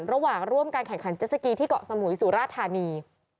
ระหว่างร่วมการแข่งขันเจ็ดสกีที่เกาะสมุยสุราชธานี